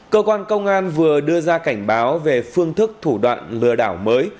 cơ quan công an vừa đưa ra cảnh báo về phương thức thủ đoạn lừa đảo mới